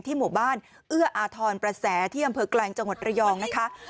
หมู่บ้านเอื้ออาทรประแสที่อำเภอแกลงจังหวัดระยองนะคะ